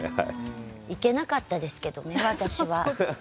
行けなかったですけどね、私は。